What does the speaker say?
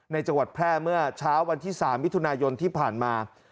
จังหวัดแพร่เมื่อเช้าวันที่๓มิถุนายนที่ผ่านมา